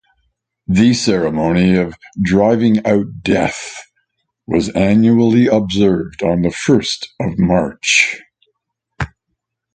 The ceremony of driving out Death was annually observed on the first of March.